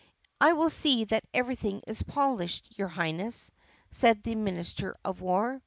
"I will see that everything is polished, your Highness," said the minister of war.